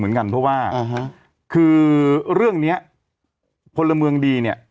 เหมือนกันเพราะว่าคือเรื่องเนี้ยพลเมืองดีเนี่ย